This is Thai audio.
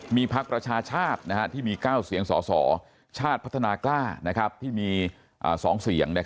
มีพักประชาชาติที่มี๙เสียงสสชาติพัฒนากล้าที่มี๒เสียง